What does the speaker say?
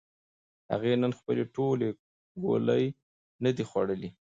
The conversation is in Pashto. هغې نن خپلې ټولې ګولۍ نه دي خوړلې.